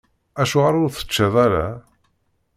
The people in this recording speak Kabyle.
Acuɣer ur teččiḍ ara?